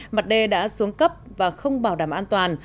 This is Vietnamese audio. mặt đê đã xuống cấp và không bảo đảm an toàn